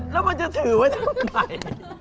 แล้วมันจะถือไว้ทำอะไร